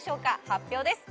発表です。